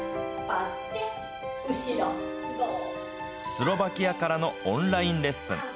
スロバキアからのオンラインレッスン。